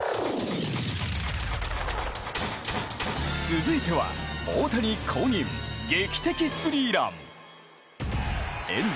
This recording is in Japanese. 続いては、大谷公認劇的スリーラン。